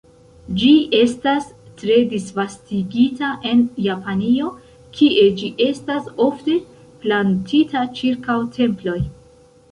Ĝi estas tre disvastigita en Japanio, kie ĝi estas ofte plantita ĉirkaŭ temploj.